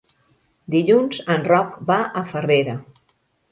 Dilluns en Roc va a Farrera.